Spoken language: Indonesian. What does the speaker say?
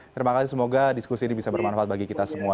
terima kasih semoga diskusi ini bisa bermanfaat bagi kita semua